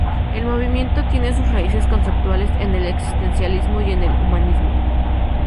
El movimiento tiene sus raíces conceptuales en el existencialismo y en el humanismo.